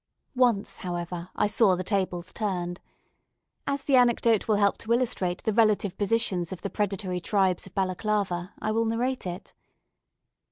Once, however, I saw the tables turned. As the anecdote will help to illustrate the relative positions of the predatory tribes of Balaclava, I will narrate it.